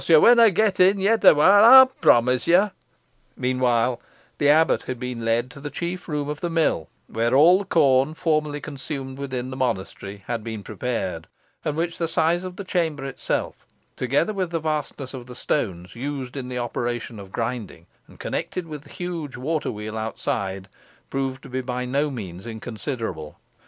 Yo winnaw get in yet awhile, ey'n promise ye." Meantime, the abbot had been led to the chief room of the mill, where all the corn formerly consumed within the monastery had been prepared, and which the size of the chamber itself, together with the vastness of the stones used in the operation of grinding, and connected with the huge water wheel outside, proved to be by no means inconsiderable.